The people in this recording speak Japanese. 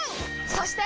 そして！